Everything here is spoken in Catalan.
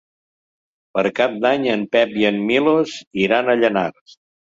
Per Cap d'Any en Pep i en Milos iran a Llanars.